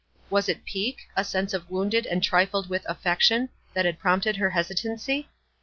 Was it pique, a sense of wounded and tritled with affection, that had prompted her hesitancy?